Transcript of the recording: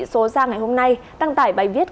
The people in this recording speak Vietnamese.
số ra ngày hôm nay đăng tải bài viết